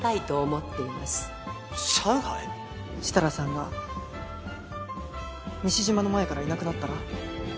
設楽さんが西島の前からいなくなったら？